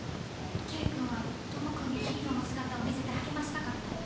恵くんは知くんにヒーローの姿を見せて励ましたかった。